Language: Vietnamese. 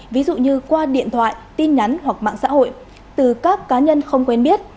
ví dụ như qua điện thoại tin nhắn hoặc mạng xã hội từ các cá nhân không quen biết